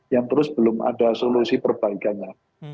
yang terus belum ada solusi perbaikannya